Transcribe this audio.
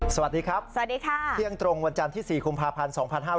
สวัสดีครับสวัสดีค่ะเที่ยงตรงวันจันทร์ที่๔กุมภาพันธ์๒๕๕๙